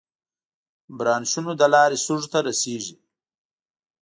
برانشونو له لارې سږو ته رسېږي.